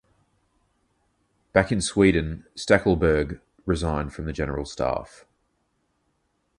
Back in Sweden Stackelberg resigned from the General Staff.